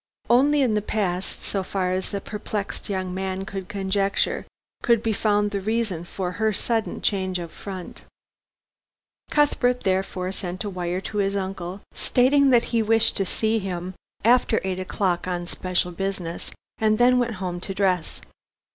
Only in the past so far as the perplexed young man could conjecture could be found the reason for her sudden change of front. Cuthbert therefore sent a wire to his uncle, stating that he wished to see him after eight o'clock on special business, and then went home to dress.